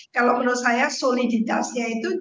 kalau menurut saya soliditasnya itu